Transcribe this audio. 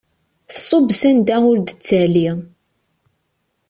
Tṣubb s anda ur d-tettali.